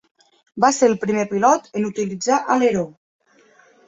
Va ser el primer pilot en utilitzar aleró.